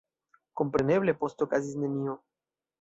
Kompreneble poste okazis nenio.